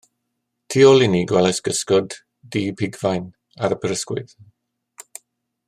Tu ôl i ni gwelais gysgod du pigfain ar y prysgwydd.